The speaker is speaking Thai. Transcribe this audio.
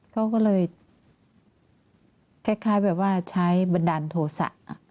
เขาก็เลยคล้ายแบบว่าใช้บันดาลโทษะ